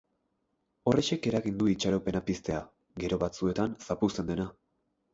Horrexek eragiten du itxaropena piztea, gero batzuetan zapuzten dena.